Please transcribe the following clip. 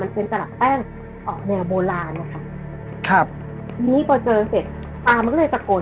เป็นตลับแป้งออกแนวโบราณอะค่ะครับทีนี้พอเจอเสร็จตามันก็เลยตะโกน